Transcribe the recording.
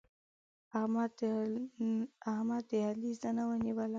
احمد د علي زنه ونيوله.